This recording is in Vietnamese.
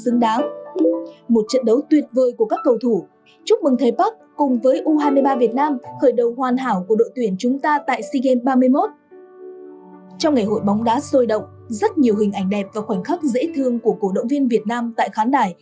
nhiều hình ảnh đẹp và khoảnh khắc dễ thương của cổ động viên việt nam tại khán đải